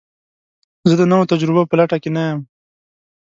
زه د نوو تجربو په لټه کې نه یم.